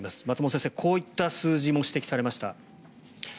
松本先生、こういった数字も指摘されました。